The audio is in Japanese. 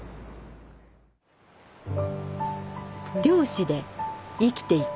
漁師で生きていく。